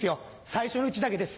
最初のうちだけです